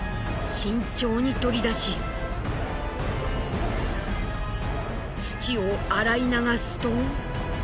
慎重に取り出し土を洗い流すと。